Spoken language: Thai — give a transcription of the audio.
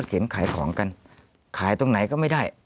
เข็นขายของกันขายตรงไหนก็ไม่ได้